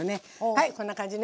はいこんな感じね。